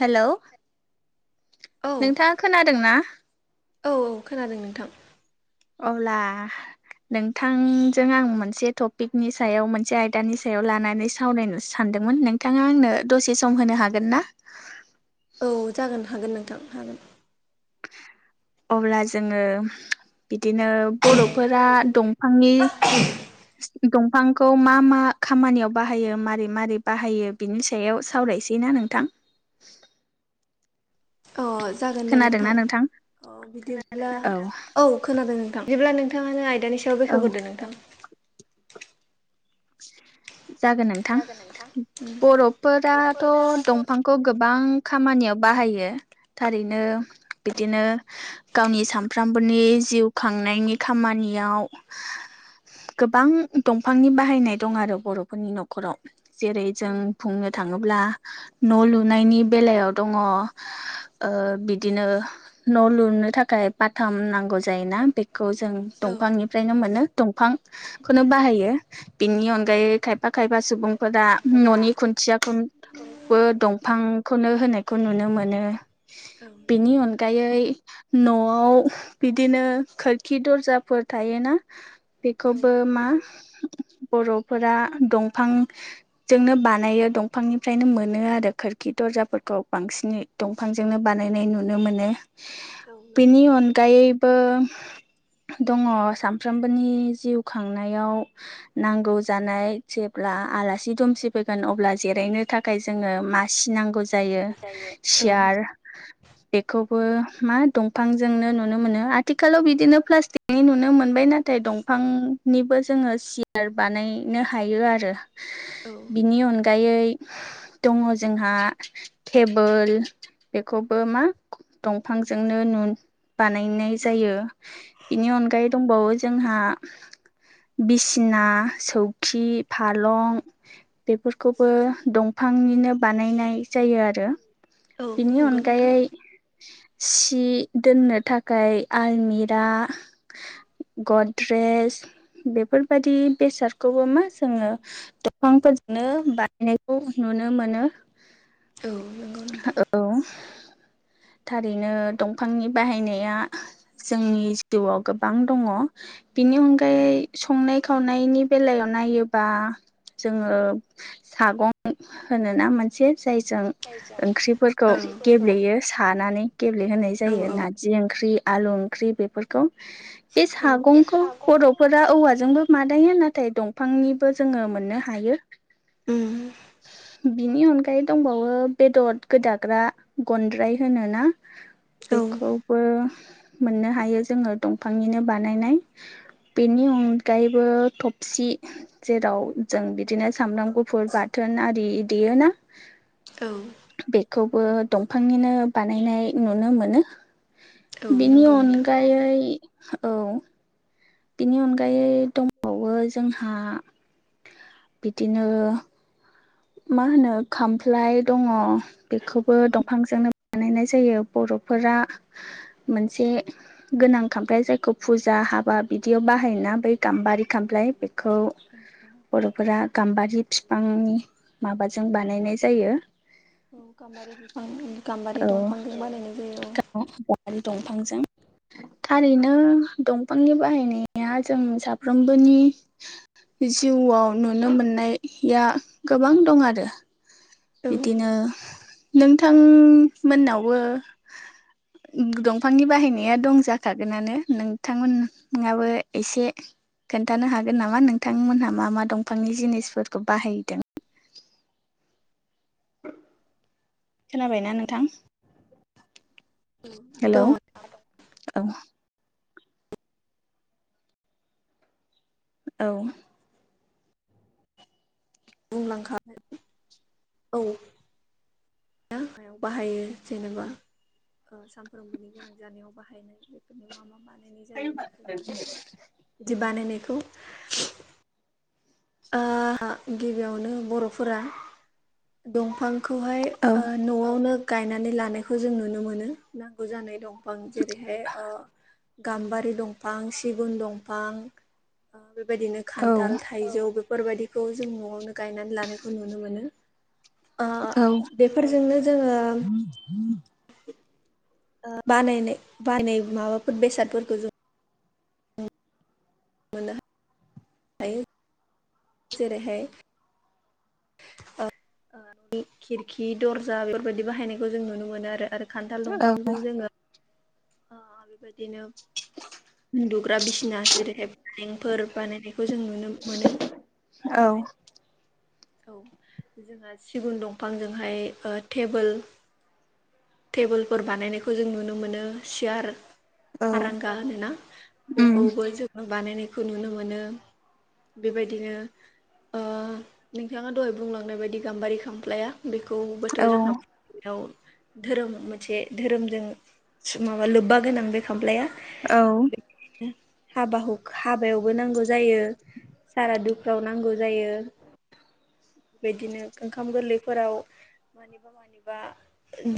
Hello औ नोंथाङा खोनादों ना औ औ खोनादों नोंथां अब्ला नोंथांजों आं मोनसे टपिकनि सायाव मोनसे आयदानि सायाव लानानै सावरायनो सानदोंमोन नोंथाङा आंनो दसे सम होनो हागोन ना औ जागोन हागोन नोंथां हागोन अब्ला जोङो बिदिनो बर'फोरा दंफांनि दंफांखौ मा मा खामानियाव बाहायो मारै मारै बाहायो बिनि सायाव सावरायसै ना नोंथां अ जागोन दे नोंथां अ बिदि औ [unintelligible] औ खोनादों नोंथां जेब्ला नोंथाङानो आयदानि सायाव औ बेखग्रोदों नोंथां जागोन नोंथां उम बर'फोराथ' दंफां खौ गोबां खामानियाव बाहायो थारैनो बिदिनो गावनि सानफ्रामबोनि जिउ खांनायनि खामानियाव गोबां दंफांनि बाहायनाय नाय दं आरो बर'फोरनि न'खराव जेरै जों बुंनो थाङोब्ला न' लुनायनि बेलायाव दङ बिदिनो न' लुनो थाखाय बाथाम नांगौ जायोना बेखौ जों औ दंफांनिफ्रायनो मोनो दंफांखौनो बाहायो बिनि अनगायै खायफा खायफा सुबुंफोरा न'नि खुन्थिया खौबो दं फांखौनो होनायखौ नुनो मोनो नंगौ बेनि नोंथां अनगायै न'आव बिदिनो खोरखि दरजाफोर थायोना औ बेखौबो मा बर'फोरा दंफां जोंनो बानायो दंफांनिफ्रायनो मोनो आरो खोरखि दरजाफोरखौ बांसिनै दंफांजोंनो बानायनाय नुनो मोनो औ नंगौ बेनि नोंथां अनगायै बो दङ सामफ्रामबोनि जिउ खांनायाव नांगौ जानाय जेब्ला आलासि दुमसि फैगोन अब्ला जिरायनो थाखाय जोङो मासि नांगौ जायो औ सियार बेखौबो मा दंफांजोंनो नुनो मोनो आथिखालाव बिदिनो प्लास्टिक नि नुनो मोनबाय नाथाय दंफांनिबो जोङो सि यार बानायनो हायो आरो बिनि अनगायै दङ जोंहा टेबोल बेखौबो मा दंफांजोंनो नु बानायनाय जायो बिनि अनगायै दंबावो जोंहा बिसि सिना सौखि फालं बेफोरखौबो दंफांनिनो बानायनाय जायो आरो औ बिनि नंगौ नोंथां अनगायै सि दोननो थाखाय आलमिरा गद्रेेज बेफोरबायदि बेसादखौबो मा जोङो दंफांफोरजोंनो बानायनायखौ नुनो मोनो औ नोंगौ औ थारैनो दंफांनि बाहायनाया जोंनि जिउआव गोबां दङ बिनि अनगायै संनाय संनाय खावनायनि बेलायाव नायोबा जोङो सागं होनो ना मोनसे जायजों ओंख्रिफोरखौ औ गेब्लेयो सानानै गेब्लेहोनाय जायो नारजि ओंख्रि आलु ओंख्रि बेफोर खौ बे सागंखौ बर'फोरा औवाजोंबो मादायो नाथाय दंफांनिबो जोङो मोननो हायो उम बिनि अनगायै दंबावो बेदर गोदाग्रा गनद्राय होनोना औ बेखौ मोननो हायो जोङो दंफांनिनो बानायनाय बेनि अन गायैबो थबसि जेराव जों बिदिनो सामब्राम गुफुर बाथोन आरि देयोना औ बेखौबो दंफांनिनो बानायनाय नुनो मोनो औ बेनि नंगौ नोंथां अनगायै औ बिनि अनगायै दंबावो जोंहा बिदिनो मा होनो खामफ्लाय दङ बेखौबो औ दंफांजोंनो बानायनाय जायो बर'फोरा मोनसे गोनां खामफ्लाय जायखौ फुजा हाबा बिदियाव बाहायोना बै गाम्बारि खामफ्लाय बेखौ औ बर'फोरा गाम्बारि फिफांनि माबाजों बानायनाय जायो औ गाम्बारि बिफां गाम्बारि दंफांजों बानायनाय जायो औ आरो दंफांजों थारैनो दंफांनि बाहायनाया जों साफ्रोमबोनि जिउआव नुनो मोननाया गोबां दं आरो बिदिनो नोंथां मोननावबो दंफांनि बाहायनाया दं जाखागोनानो नोंथांमोन नाबो एसे खोन्थानो हागोन नामा नोंथांमोनहा मा मा दंफांनि जिनिसफोरखौ बाहायदों खोनाबायना नोंथां औ हेलौ दङ औ औ बुंलांखागोन औ याव बाहायो जेनेबा सानफ्रोमबोनि गोनां जानायाव बाहायनाय बेफोरनि मा मा बानायनाय जायो बेखौ बानाय बिदि बानायनायखौ ओ गिबियावनो बर'फोरा दंफांखौहाय औ ओ न'आवनो गायनानै लानायखौ जों नुनो मोनो नांगौ जानाय दं फां जेरैहाय ओ गाम्बारि दंफां सिगुन दंफां बेबायदिनो खान्थाल औ थाइजौ बेफोरबायदिखौ जों न'आवनो गायनानै लानायखौ नुनो मोनो ओ औ बेफोरजोंनो जोङो ओ बानायनाय बायनाय माबाफोर बेसादफोरखौ जों मोननो हायो जेरैहाय ओ खिरखि दर्जा बेफोरबायदि बाहायनायखौ जों नुनो मोनो आरो खान्थाल दंफांजों जोङो ओ बेबायदिनो उन्दुग्रा बिसना जेरैहाय फालेंफोर बानायनायखौ जों नुनो मोनो औ बेबायदि औ जोंहा सिगुन दंफांजोंहाय ओ टेबोल टेबोलफोर बानायनायखौ जों नुनो मोनो सियार औ आरांगा होनोना उम बेखौबो जोङो बानायनाय खौ नुनो मोनो बेबायदिनो ओ नोंथाङा दहाय बुंलांनाय बायदि गाम्बारि खामफ्लाया बेखौबोथ' औ जोंहा बेयाव धोरोम मोनसे धोरोमजों माबा लोब्बा गोनां बे खामफ्लाया औ हाबा हाबायावबो नांगौ जायो सारादुफ्राव नांगौ जायो बेबायदिनो ओंखाम गोरलैफोराव मानिबा मानिबा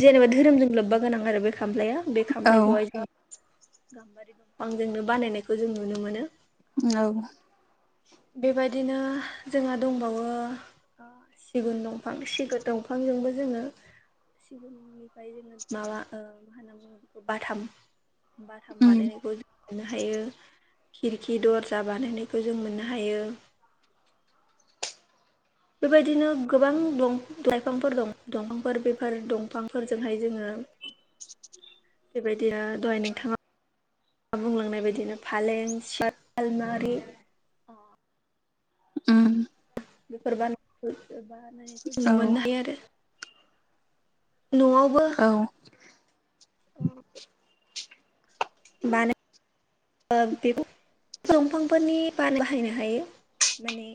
जेनेबा धोरोमजों लोब्बा गोनां आरो बे खामफालाया बे औ खामफ्लायखौहाय जों गाम्बारि दंफांजोंनो बानायनायखौ जों नुनो मोनो औ बेबायदिनो जोंहा दंबावो सिगुन दंफां सिगुन दंफांजोंबो जोङो सिगुननि ओमफ्राय जोङो माबा मा होनना बुङो बेखौ बाथाम बाथाम बानायनायखौ मोननो हायो खिरखि दर्जा बानायनायखौ जों मोननो हायो बेबायदिनो गोबां दंफां लाइफांफोर दं दंफांफोर बे फोर दंफांफोरजोंहाय जोङो बेबायदिनो दहाय नोंथाङा मा बुंलांनाय बायदिनो फालें सियार आलमारि उम बेफोर बानाय बानायनायखौ औ मोननो हायो आरो न'आव [inaudible] औ [unintelligible] दंफांफोरनि बानायना बाहायनो हायो माने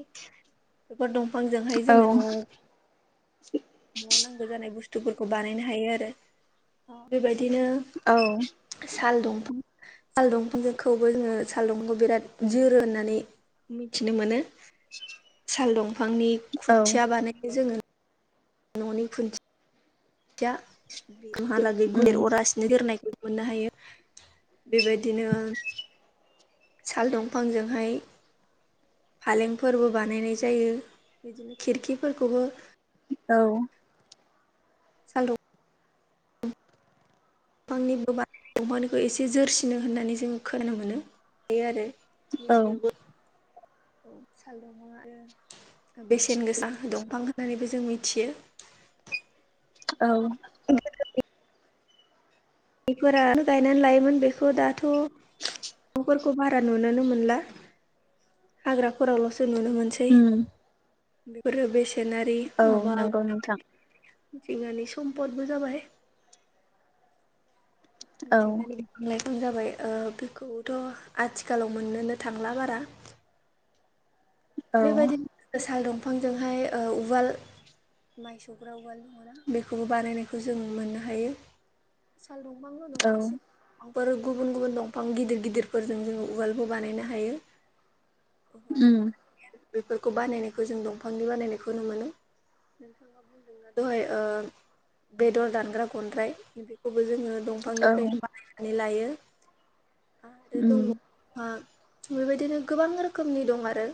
बेफोर दंफांजोंहाय औ जोङो न'आव न'आव नांगौ जानाय बुस्थुफोरखौ बानायनो हायो आरो बेबायदिनो औ साल दंफां साल दंफांजोंखौबो जोङो साल दंफांखौ बिराद जोरो होननानै मिथिनो मोनो साल दंफांनि खुन्थिया बानायनो जोङो न'नि खुन्थि खुन्थिया गोबावहालागै [unintelligible] गुनिर उम अरा जोरनायखौ मोननो हायो बेबायदिनो साल दंफांजोंहाय फालेंफोरबो बानायनाय जायो बिदिनो खिरखिफोरखौबो औ [inaudible] साल दंफां बिफांनिबो बारा [unintelligible] दंफांनिखौ एसे जोरसिनो होननानै जों खोनानो मोनो हायो आरो। औ [unintelligible] [inaudible] साल दंफांआ बेसेन गोसा दंफां होननानैबो जों मिथियो औ [unintelligible] बेफोरा गायनानै लायोमोन बेखौ दाथ' न'खरफोरखौ बारा नुनोनो मोनला हाग्राफोरावल'सो नुनो मोनसै। उम बेफोरो बेसेनारि औ माबा नंगौ नोंथां मिथिंगानि सम्पदबो जाबाय। [unintelligible] औ थांनायखौनो [unintelligible] जाबाय बेखौथ' आथिखालाव मोननोनो थांला बारा। औ बेबायदिनो साल दंफांजोंहाय उवाल माइ सौग्रा उवाल दङ ना बेखौबो बानायनायखौ जों मोननो हायो। साल दंफांल' नङा औ सि दंफांफोर गुबुन गुबुन दंफां गिदिर गिदिरफोरजों जोङो उवालबो बानायनो हायो। उवाल उम बेफोरखौ बानायनायखौ जों दंफांनि बानायनायखौ नुनो मोनो। दहाय ओ बेदर दानग्रा खनद्राय बेखौबो जोङो औ दंफांनिफ्रायनो बाहायनानै लायो आरो उम दङ जोंहा बेबायदिनो गोबां रोखोमनि दं आरो।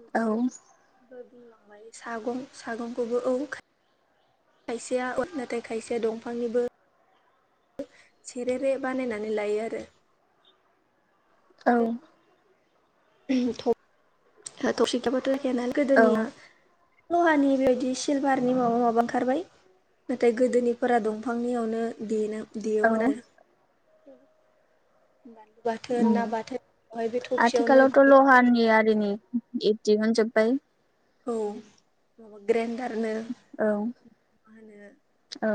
औ ओ बुंलांबाय सागं सागंखौबो औ। खायसेया नाथाय खायसेया दंफांनिबो सेरेरे बानायनानै लायो आरो। औ ओ थब थबसिखौबोथ [unintelligible] औ गोदोनिया लहानि बेबायदि सिलभारनि माबा माबा ओंखारबाय। नाथाय गोदोनिफोरा दंफांनियावनो देनो औ दयोमोन आरो। बाथोन ना उम बाथोन ओमाय बे थफसियावनो आथिखालावथ' लहानि आरिनि बिब्दि दिहुनजोबबाय। औ ग्रेन्दारनो औ औ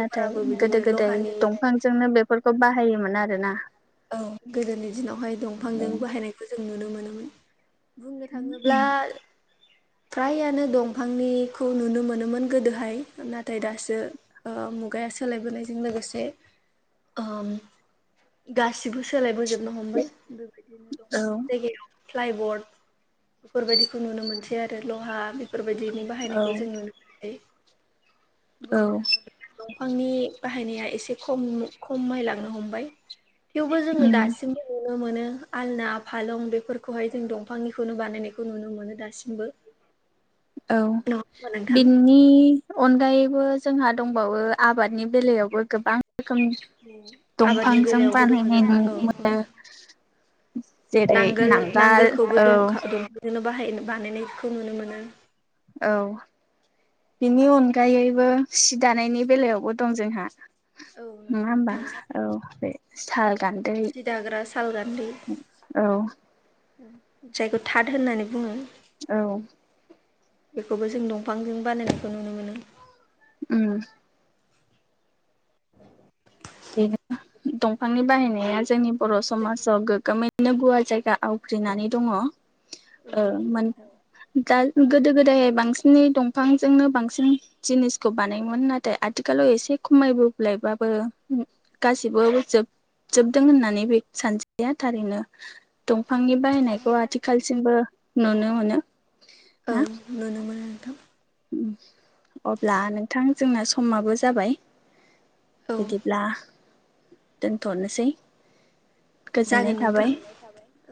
नाथाय बिदिनो गोदो गोदाय लहानि दंफांजोंनो बे बेफोरखौ बाहायोमोन आरो ना। औ गोदोनि दिनावहाय औ दंफांजों बाहायनायखौ जों नुनो मोनोमोन बुंनो थाङोब्ला फ्रायानो दंफांनिखौ नुनो मोनोमोन गोदोहाय नाथाय दासो मुगाया सोलायबोनायजों लोगोसे गासिबो सोलायबोजोबनो हमबाय बेबायदिनो औ दंफांनि जायगायाव फ्लाइबर्ड बेफोरबायदिखौ नुनो मोनसै आरो लहा बेफोरबायदिनि औ बाहायनायखौ जोंङो औ बुंनो थाङोब्ला दंफांनि बाहायनाया एसे खम खमाय लांनो हमबाय थेवबो जोङो उम दासिमबो नुनो मोनो आलना फालं बेफोरखौहाय जों दंफांनिखौनो बानायनायखौ नुनो मोनो दासिमबो औ नङा होमबा नोंथां बिनि अनगायैबो जोंहा दंबावो आबादनि बेलायावबो गोबां रोखोम आबादनि दंफांजों बेलायावबो दङ बानायनाय जोंहा औ औ जेरै नांगोल नांगाल नांगोलखौबो औ द दंखांजोंनो बाहाय बानायनायखौ नुनो मोनो औ बिनि अनगायैबो सि दानायनि बेलायावबो दं जोंहा। औ नङा नंगौ होमबा नोंथां औ बे साल गान्दै सि दाग्रा साल गान्दै औ जायखौ थाद होननानै बुङो औ बेखौबो जों दंफांजों बानायनायखौ नुनो मोनो उम बेनो दंफांनि बाहायनाया जोंनि बर' समाजाव गो ग्मैनो गुवार जायगा आवग्रिनानै दङ औ नंगौ मोन नोंथां दा गोदो गोदाय बांसिनै दंफांजोंनो बांसिन जिनिसखौ बानायोमोन नाथाय आथिखालाव एसे खमायबोलायबाबो गासिबो जोबजोबदों होननानै बे सानजाया थारैनो दंफांनि बाहायनायखौ आथिखालसिमबो नुनो मोनो औ ना नुनो मोनो नोंथां अब्ला नोंथां जोंना समाबो जाबाय औ बिदिब्ला दोनथ'नोसै गोजोननाय जागोन नोंथां थाबाय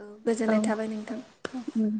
औ गोजोननाय थाबाय नोंथां औ उम